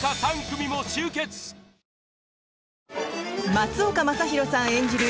松岡昌宏さん演じる